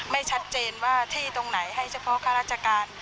ไม่ชัดเจนว่าที่ตรงไหนให้เฉพาะข้าราชการ